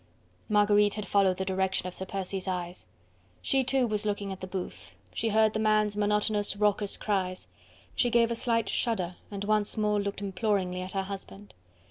Marguerite had followed the direction of Sir Percy's eyes. She too was looking at the booth, she heard the man's monotonous, raucous cries. She gave a slight shudder and once more looked imploringly at her husband.